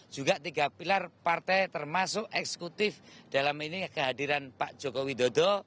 juga tiga pilar partai termasuk eksekutif dalam ini kehadiran pak joko widodo